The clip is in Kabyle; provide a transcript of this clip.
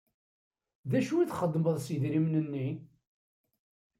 D acu i txedmeḍ s yidrimen-nni?